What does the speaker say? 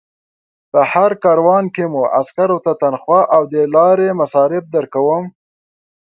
په هر کاروان کې مو عسکرو ته تنخوا او د لارې مصارف درکوم.